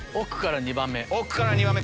奥から２番目。